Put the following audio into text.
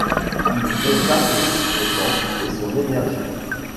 Il y consacre tout son temps et son énergie.